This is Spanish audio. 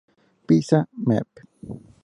Pisa Mem.